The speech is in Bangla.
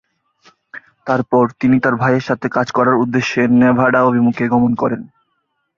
তারপর তিনি তার ভাইয়ের সাথে কাজ করার উদ্দেশ্যে নেভাডা অভিমুখে গমন করেন।